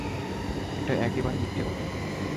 এটা একেবারে মিথ্যে কথা।